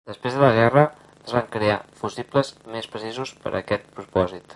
Després de la guerra es van crear fusibles més precisos per a aquest propòsit.